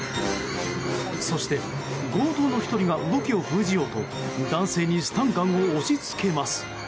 そして、強盗の１人が動きを封じようと男性にスタンガンを押し付けます。